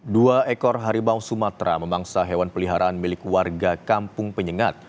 dua ekor harimau sumatera memangsa hewan peliharaan milik warga kampung penyengat